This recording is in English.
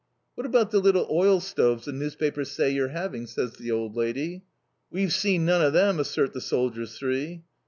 "What about the little oil stoves the newspapers say you're having?" asks the old lady. "We've seen none of them!" assert the soldiers three.